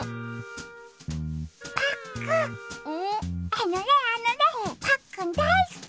あのねあのねパックンだいすき！